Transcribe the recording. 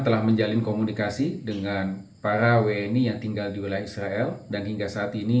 telah menjalin komunikasi dengan para wni yang tinggal di wilayah israel dan hingga saat ini